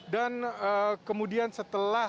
dan kemudian setelah